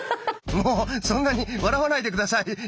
もうそんなに笑わないで下さいよ！